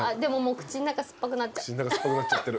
口の中酸っぱくなっちゃってる。